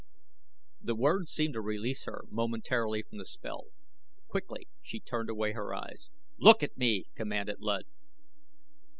The words seemed to release her momentarily from the spell. Quickly she turned away her eyes. "Look at me!" commanded Luud.